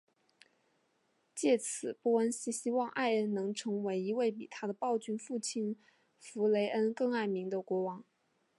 藉此波恩希望艾恩能成为一位比他的暴君父亲弗雷恩更爱民的国王。